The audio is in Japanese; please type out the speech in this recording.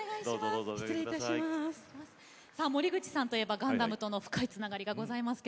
森口さんといえばガンダムとの深いつながりがございます。